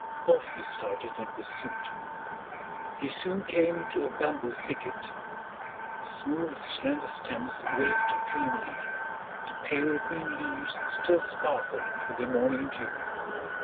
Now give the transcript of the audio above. Off he started in pursuit. He soon came to a bamboo thicket. The smooth, slender stems waved dreamily, the pale green leaves still sparkled with the morning dew.